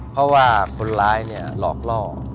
เพราะว่าคนร้ายเนี่ยหลอกล่อ